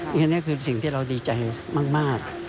อันนี้คือสิ่งที่เราดีใจมาก